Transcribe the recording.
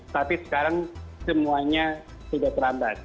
tapi sekarang semuanya sudah terlambat